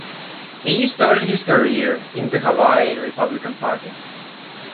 He started his career in the Hawaii Republican Party.